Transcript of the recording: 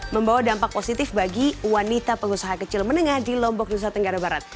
membawa dampak positif bagi wanita pengusaha kecil menengah di lombok nusa tenggara barat